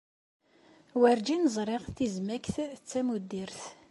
Werjin ẓriɣ tizmekt d tamuddirt.